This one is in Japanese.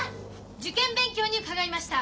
受験勉強に伺いました。